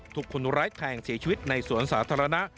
ถูกคนร้ายแทงเสียชีวิตในสวนสาธารณะ